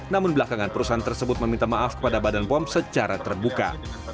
namun belakangan perusahaan tersebut meminta maaf kepada badan pom secara terbuka